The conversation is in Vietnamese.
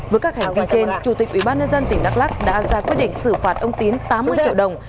với các hành vi trên chủ tịch ubnd tỉnh đắk lắc đã ra quyết định xử phạt ông tín tám mươi triệu đồng